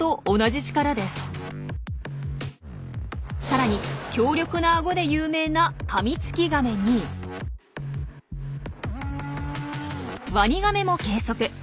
さらに強力なアゴで有名なカミツキガメにワニガメも計測。